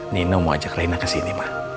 nino mau ajak rena kesini ma